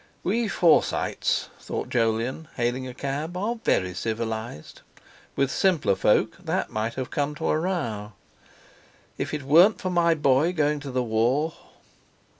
"We Forsytes," thought Jolyon, hailing a cab, "are very civilised. With simpler folk that might have come to a row. If it weren't for my boy going to the war...."